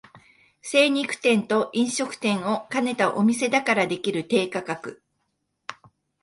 精肉店と飲食店を兼ねたお店だからできる低価格